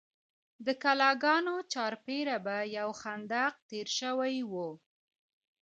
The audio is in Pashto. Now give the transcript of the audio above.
د کلاګانو چارپیره به یو خندق تیر شوی و.